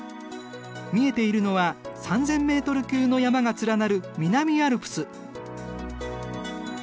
見えているのは３，０００メートル級の山が連なる南アルプス。